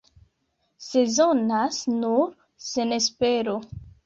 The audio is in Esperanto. Sezonas nur senespero.